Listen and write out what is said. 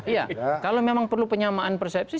iya kalau memang perlu penyamaan persepsi